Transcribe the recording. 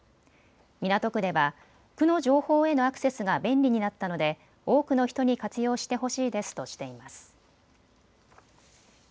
港区では区の情報へのアクセスが便利になったので多くの人に活用してほしいですとしています。